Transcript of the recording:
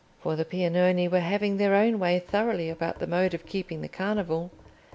For the Piagnoni were having their own way thoroughly about the mode of keeping the Carnival.